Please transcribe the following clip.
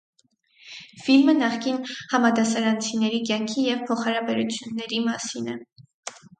Ֆիլմը նախկին համադասարանցիների կյանքի ու փոխհարաբերությունների մասին է։